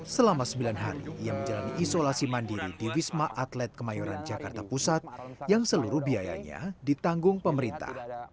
selama sembilan hari ia menjalani isolasi mandiri di wisma atlet kemayoran jakarta pusat yang seluruh biayanya ditanggung pemerintah